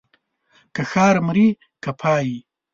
که ښار مرې که پايي.